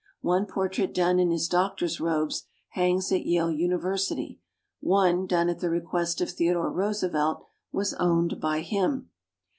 One portrait done in his doctor's robes hangs at Yale University; one, done at the request of Theodore Roosevelt, was owned by him.